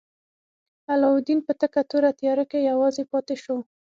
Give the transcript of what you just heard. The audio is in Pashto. علاوالدین په تکه توره تیاره کې یوازې پاتې شو.